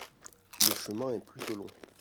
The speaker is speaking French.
Le chemin est plutôt long.